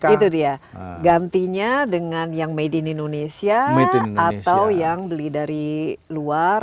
itu dia gantinya dengan yang made in indonesia atau yang beli dari luar